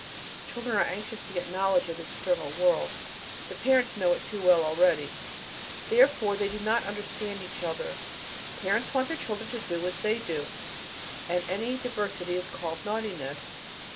Children are anxious to get knowledge of the external world; their parents know it too well already. Therefore they do not understand each other. Parents want their children to do as they do, and any diversity is called "naughtiness."